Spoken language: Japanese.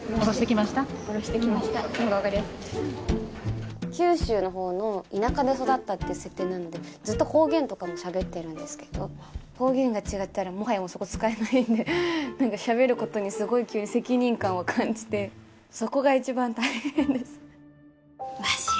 おろしてきました九州の方の田舎で育ったっていう設定なのでずっと方言とかもしゃべってるんですけど方言が違ったらもはやもうそこ使えないんで何かしゃべることにすごい急に責任感を感じてそこが一番大変ですわしら